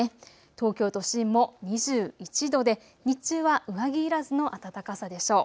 東京都心も２１度で、日中は上着いらずの暖かさでしょう。